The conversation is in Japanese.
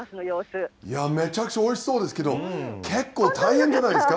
めちゃくちゃおいしそうですけど、結構、大変じゃないですか。